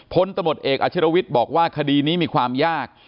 พลตำรวจเอกอาชิรวิทย์บอกว่าคดีนี้มีความยาก